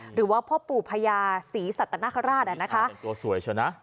หรือผ่อปู่พระยาสีสัตว์นาคลาดนะคะที่ทางเป็นตัวสวย